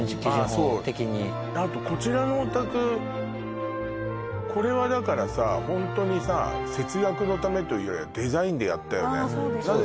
そうあとこちらのお宅これはだからさホントにさ節約のためというよりはデザインでやったよねああ